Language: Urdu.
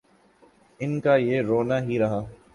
ان کا یہ رونا ہی رہا۔